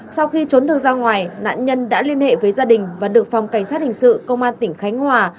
sau khi trốn được ra ngoài nạn nhân đã liên hệ với gia đình và được phòng cảnh sát hình sự công an tỉnh khánh hòa